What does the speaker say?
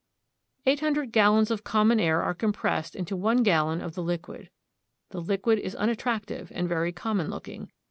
Eight hundred gallons of common air are compressed into one gallon of the liquid. The liquid is unattractive and very common looking.